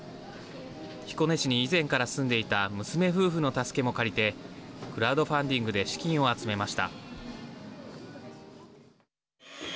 彦根市に以前から住んでいた娘夫婦の助けも借りてクラウドファンディングで資金を集めました。